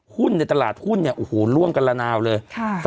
หุ้นในตลาดหุ้นเนี่ยโอ้โหร่วมกันละนาวเลย